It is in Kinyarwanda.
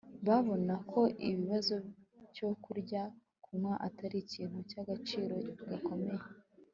babona ko ikibazo cyo kurya no kunywa atari ikintu cy'agaciro gakomeye